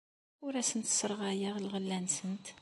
Ur asent-sserɣayeɣ lɣella-nsent.